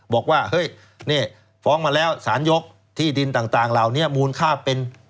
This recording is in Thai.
บอกว่าเฮ้ยนี่ฟ้องมาแล้วสารยกที่ดินต่างเหล่านี้มูลค่าเป็น